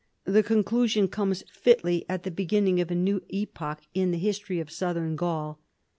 The conclusion comes fitly at the beginning of a new epoch in the history of Southern Gaul.